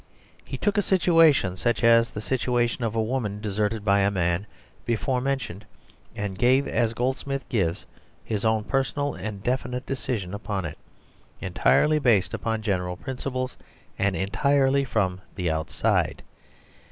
He took a situation, such as the situation of a woman deserted by a man before mentioned, and he gave, as Goldsmith gives, his own personal and definite decision upon it, entirely based upon general principles, and entirely from the outside.